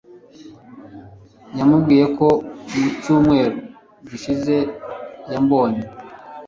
yamubwiye ko mu cyumweru gishize yambonye